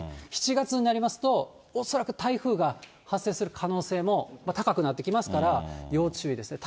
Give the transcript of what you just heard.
７月になりますと、恐らく台風が発生する可能性も高くなってきますから、要注意ですね。